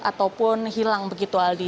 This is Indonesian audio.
ataupun hilang begitu aldi